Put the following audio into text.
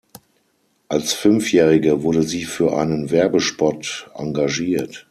Als Fünfjährige wurde sie für einen Werbespot engagiert.